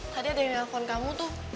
tadi ada yang nelfon kamu tuh